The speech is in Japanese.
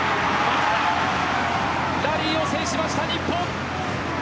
ラリーを制しました、日本。